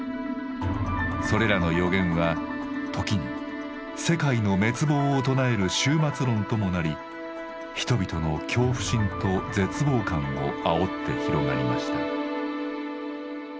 それらの予言は時に世界の滅亡を唱える終末論ともなり人々の恐怖心と絶望感をあおって広がりました。